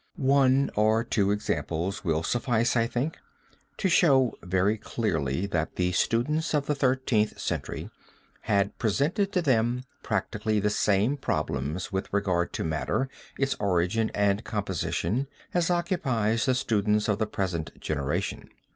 One or two examples will suffice, I think, to show very clearly that the students of the Thirteenth Century had presented to them practically the same problems with regard to matter, its origin and composition, as occupy the students of the present generation.